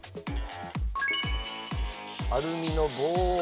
アルミの棒を。